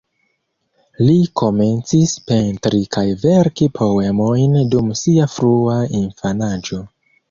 Li komencis pentri kaj verki poemojn dum sia frua infanaĝo.